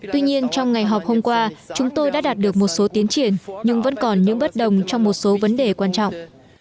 tuy nhiên trong ngày họp hôm qua chúng tôi đã đạt được một số tiến triển nhưng vẫn còn những bất đồng trong một số vấn đề quan trọng